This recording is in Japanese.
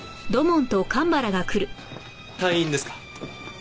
退院ですか？